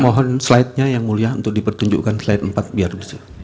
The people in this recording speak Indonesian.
mohon slidenya yang mulia untuk dipertunjukkan slide empat biar bisa